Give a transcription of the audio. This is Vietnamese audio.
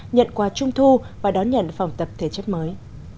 nhận quà trung thu và đón nhận phòng tập thể chất mới